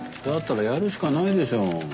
だったらやるしかないでしょ。